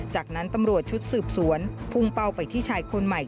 จากนั้นตำรวจชุดสืบสวนพุ่งเป้าไปที่ชายคนใหม่